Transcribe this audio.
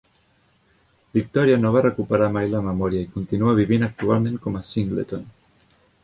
Victoria no va recuperar mai la memòria i continua vivint actualment com a Singleton.